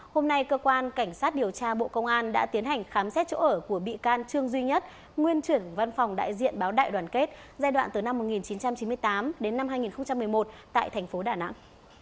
hôm nay cơ quan cảnh sát điều tra bộ công an đã tiến hành khám xét chỗ ở của bị can trương duy nhất nguyên trưởng văn phòng đại diện báo đại đoàn kết giai đoạn từ năm một nghìn chín trăm chín mươi tám đến năm hai nghìn một mươi một tại thành phố đà nẵng